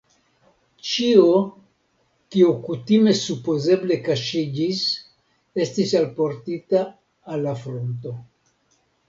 Ĉio, kio kutime supozeble kaŝiĝis, estis alportita al la fronto.